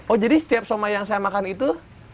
oh jadi setiap soma yang saya makan itu